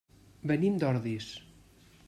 Venim d'Ordis.